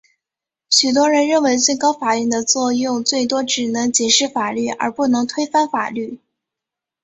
许多人认为最高法院的作用最多只能解释法律而不能推翻法律。